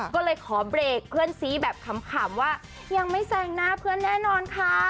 ก็เลยขอเบรกเพื่อนซีแบบขำว่ายังไม่แซงหน้าเพื่อนแน่นอนค่ะ